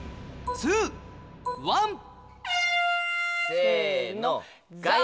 せの。